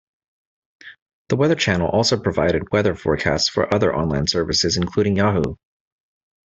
The Weather Channel also provided weather forecasts for other online services including Yahoo!